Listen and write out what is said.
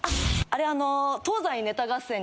あれあの。